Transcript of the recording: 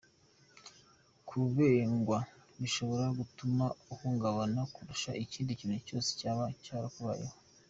Kubengwa bishobora gutuma uhungabana kurusha ikindi kintu cyose cyaba cyarakubayeho.